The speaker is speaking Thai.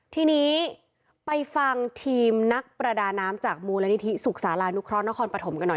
ทีนี้ไปฟังทีมนักประดาน้ำจากมูลนิธิสุขศาลานุเคราะหนครปฐมกันหน่อย